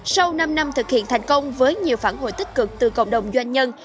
sau năm năm thực hiện thành công với nhiều phản hồi tích cực từ cộng đồng doanh nhân